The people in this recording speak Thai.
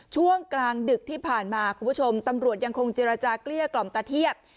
ช่วงกลางดึกที่ผ่านมาคุณผู้ชมตำรวจยังคงเจรจาเกลี้ยกล่อมตาเทียบ